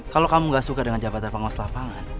kalau kamu gak suka dengan jabatan pengurus lapangan